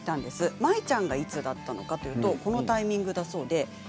舞ちゃんがいつだったのかというとこのタイミングです。